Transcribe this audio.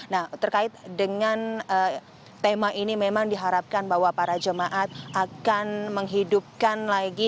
nah terkait dengan tema ini memang diharapkan bahwa para jemaat akan menghidupkan lagi